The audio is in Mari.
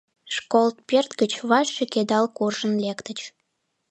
Школ пӧрт гыч ваш шӱкедыл куржын лектыч.